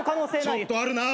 ちょっとあるなぁ！